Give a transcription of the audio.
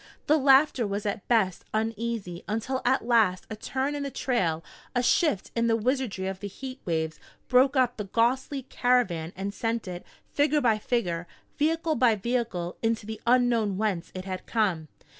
The laughter was at best uneasy until at last a turn in the trail, a shift in the wizardry of the heat waves, broke up the ghostly caravan and sent it, figure by figure, vehicle by vehicle, into the unknown whence it had come.